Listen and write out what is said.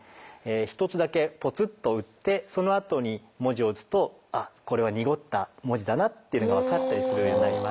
１つだけぽつっと打ってそのあとに文字を打つとこれは濁った文字だなっていうのが分かったりするようになります。